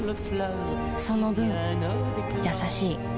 その分優しい